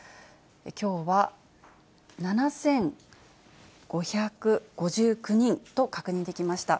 きょうは、７５５９人と確認できました。